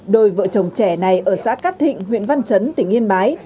đôi vợ chồng trẻ này ở xã cát thịnh huyện văn chấn tỉnh yên bái